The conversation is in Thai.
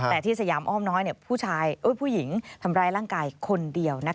แต่ที่สยามอ้อมน้อยผู้หญิงทำร้ายร่างกายคนเดียว